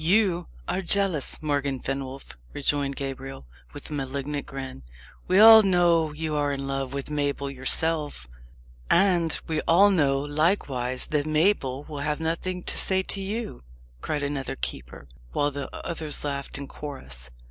"You are jealous, Morgan Fenwolf," rejoined Gabriel, with a malignant grin. "We all know you are in love with Mabel yourself." "And we all know, likewise, that Mabel will have nothing to say to you!" cried another keeper, while the others laughed in chorus.